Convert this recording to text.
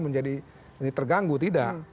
menjadi terganggu tidak